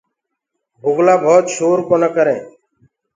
بُگلآ ڀوت شور ڪونآ ڪرينٚ۔